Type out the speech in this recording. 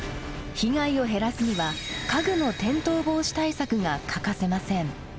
被害を減らすには家具の転倒防止対策が欠かせません。